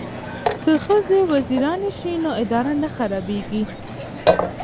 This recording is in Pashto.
که ښځې وزیرانې شي نو اداره نه خرابیږي.